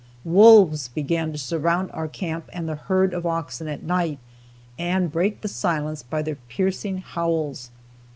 Wolves began to surround our camp and the herd of oxen at night, and break the silence by their piercing howls.